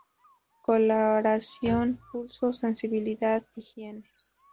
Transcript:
Coloración, pulsos, sensibilidad, higiene.